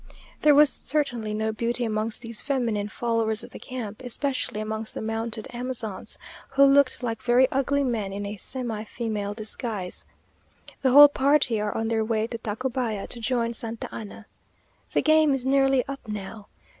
There was certainly no beauty amongst these feminine followers of the camp, especially amongst the mounted Amazons, who looked like very ugly men in a semi female disguise. The whole party are on their way to Tacubaya, to join Santa Anna! The game is nearly up now.